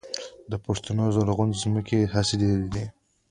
د پښتون زرغون ځمکې حاصلخیزه دي